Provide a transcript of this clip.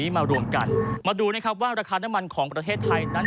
มาดูว่าราคาน้ำมันของประเทศไทย